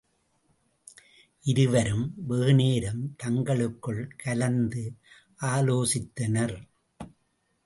இருவரும் வெகுநேரம் தங்களுக்குள் கலந்து ஆலோசித்தனர்.